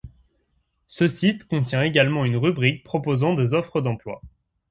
Ce site contient également une rubrique proposant des offres d’emplois.